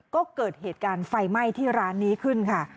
ก็เกิดเหตุการณ์ไฟไหม้ที่ร้านนี้ขึ้นค่ะ